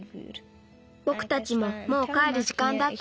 ぼくたちももうかえるじかんだったしね。